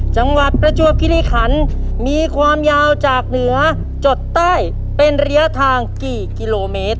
จังหวัดประจวบคิริขันมีความยาวจากเหนือจดใต้เป็นระยะทางกี่กิโลเมตร